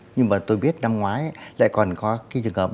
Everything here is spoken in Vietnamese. nhưng mà tôi biết năm ngoái lại còn có cái trường hợp